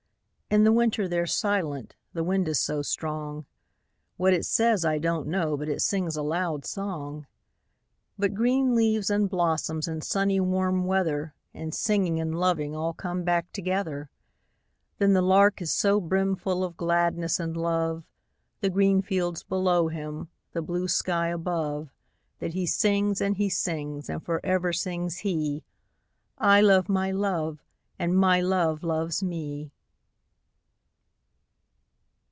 In the winter they're silent the wind is so strong; What it says, I don't know, but it sings a loud song. But green leaves, and blossoms, and sunny warm weather, 5 And singing, and loving all come back together. But the Lark is so brimful of gladness and love, The green fields below him, the blue sky above, That he sings, and he sings; and for ever sings he 'I love my Love, and my Love loves me!'